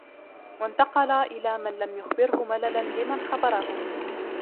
وَانْتَقَلَ إلَى مَنْ لَمْ يُخْبِرْهُ مَلَلًا لِمَنْ خَبَرَهُ